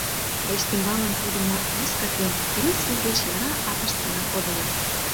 А ӱстембалан кодымо «Вискас» ден «Фрискис» деч яра атышт гына кодыныт.